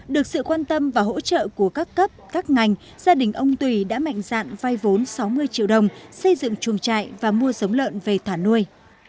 được sự quan tâm và hỗ trợ của các cấp các ngành gia đình ông tùy đã mạnh dạn vay vốn sáu mươi triệu đồng xây dựng chuồng trại và mua giống lợn về thả nuôi